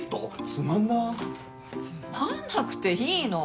つまんなくていいの。